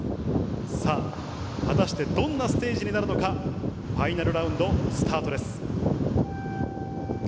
さあ、果たしてどんなステージになるのか、ファイナルラウンド、スタートです。